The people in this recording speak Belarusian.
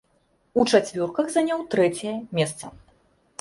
У чацвёрках заняў трэцяе месца.